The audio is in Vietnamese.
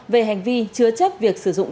về hành vi chứa chấp việc sử dụng